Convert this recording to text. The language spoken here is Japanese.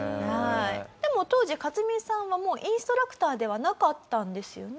でも当時カツミさんはもうインストラクターではなかったんですよね？